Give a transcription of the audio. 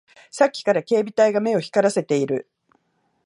さっきから警備隊が目を光らせている